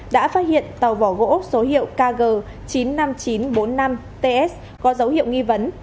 đã phát hiện tàu vỏ gỗ số hiệu kg chín mươi năm nghìn chín trăm bốn mươi năm ts có dấu hiệu nghi vấn